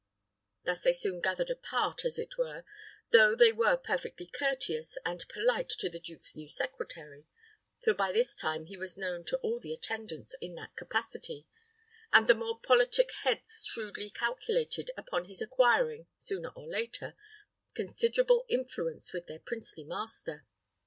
Thus they soon gathered apart, as it were, though they were perfectly courteous and polite to the duke's new secretary; for by this time he was known to all the attendants in that capacity, and the more politic heads shrewdly calculated upon his acquiring, sooner or later, considerable influence with their princely master.